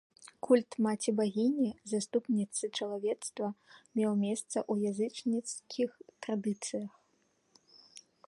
Культ маці-багіні, заступніцы чалавецтва, меў месца ў язычніцкіх традыцыях.